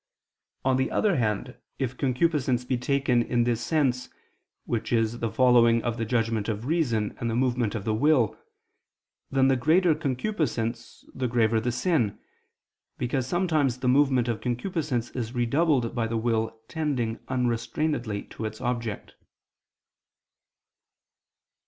On the other hand, if concupiscence be taken in this sense follows the judgment of reason, and the movement of the will, then the greater concupiscence, the graver the sin: because sometimes the movement of concupiscence is redoubled by the will tending unrestrainedly to its object.